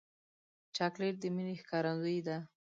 چاکلېټ د مینې ښکارندویي ده.